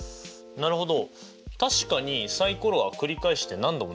なるほど。